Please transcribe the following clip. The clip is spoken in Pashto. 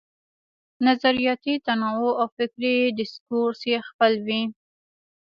نظریاتي تنوع او فکري ډسکورس یې خپل وي.